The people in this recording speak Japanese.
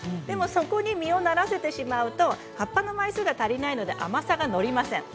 そこに実をならせてしまうと葉っぱの枚数が足りないので甘さが足りません。